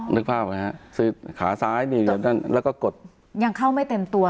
นึกภาพไหมฮะคือขาซ้ายมีอยู่ด้านด้านแล้วก็กดยังเข้าไม่เต็มตัว